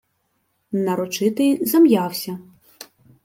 Нарочитий зам'явся.